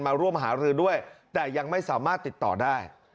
มาร่วมหารือด้วยแต่ยังไม่สามารถติดต่อได้